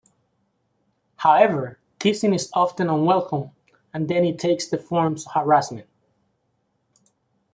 However, teasing is often unwelcome and then it takes the form of harassment.